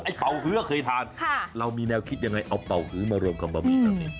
ไอ้เป๋าฮื้อเคยทานค่ะเรามีแนวคิดยังไงเอาเป๋าฮื้อมาเริ่มกับบะหมี่